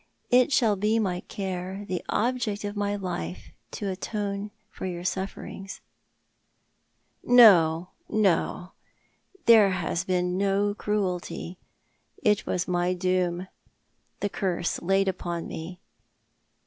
It shall be my care— the object of my life to atone for your .sufferings." " No, no, there has been no cruelty. It was my doom — the curse laid upon me.